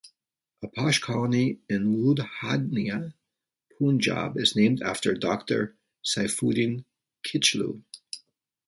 A posh colony in Ludhiana, Punjab is named after Doctor Saifuddin Kichlew.